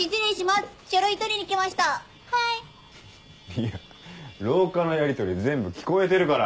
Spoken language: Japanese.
いや廊下のやりとり全部聞こえてるから。